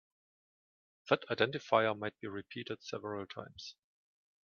That identifier might be repeated several times.